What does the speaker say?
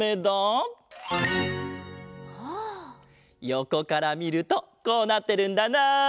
よこからみるとこうなってるんだな。